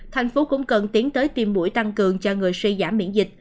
thành phố cũng cần tiến tới tiêm mũi tăng cường cho người suy giảm miễn dịch